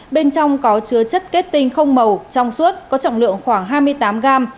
bên trong có chứa chất kết tinh không màu trong suốt có trọng lượng khoảng hai mươi tám gram